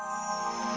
kamu mau kemana